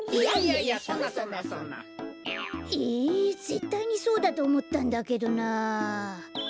ぜったいにそうだとおもったんだけどな！